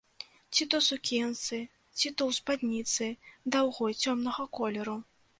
Ці то сукенцы, ці то ў спадніцы даўгой цёмнага колеру.